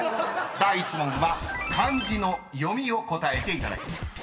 ［第１問は漢字の読みを答えていただきます］